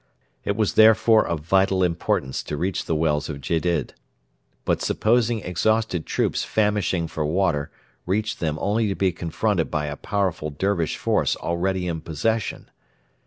It was therefore of vital importance to reach the wells of Gedid. But supposing exhausted troops famishing for water reached them only to be confronted by a powerful Dervish force already in possession!